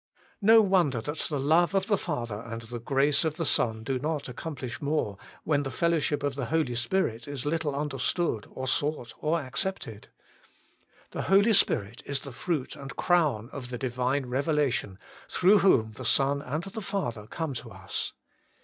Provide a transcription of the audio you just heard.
3. No wonder that the love of the Father and the grace of the Son do not accomplish more, when the fellowship of the Holy Spirit is little understood or sought or accepted. The Holy Spirit is the fruit and crown of the Divine Revelation, through whom the Son and the Father come to us.